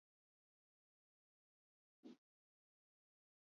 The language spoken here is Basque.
Horietako askok Euskal Herritik kanpora lan egin zuten.